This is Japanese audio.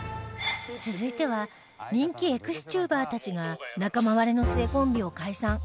続いては人気 ＥＸｔｕｂｅｒ たちが仲間割れの末コンビを解散